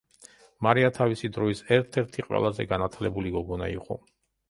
მარია თავისი დროის ერთ-ერთი ყველაზე განათლებული გოგონა იყო.